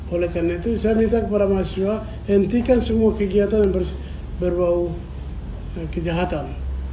oleh karena itu saya minta kepada mahasiswa hentikan semua kegiatan yang berbau kejahatan